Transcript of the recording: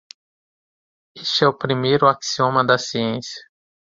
Este é o primeiro axioma da ciência.